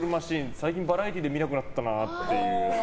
最近、バラエティーで見なくなったなっていう。